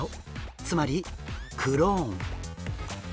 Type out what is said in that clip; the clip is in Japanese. つまりクローン。